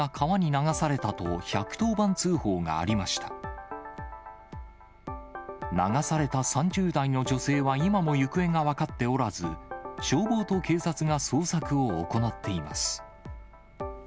流された３０代の女性は今も行方が分かっておらず、消防と警察が捜索を行っています。